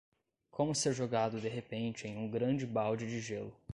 Como ser jogado de repente em um grande balde de gelo